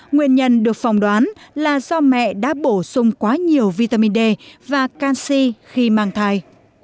nguyên nhân được phòng đoán là do mẹ đã bổ sung quá nhiều vitamin d và canxi khi mang thai